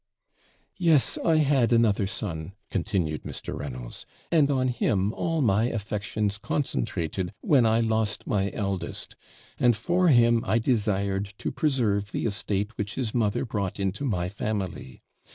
'Yes, I had another son,' continued Mr. Reynolds, 'and on him all my affections concentrated when I lost my eldest, and for him I desired to preserve the estate which his mother brought into my family.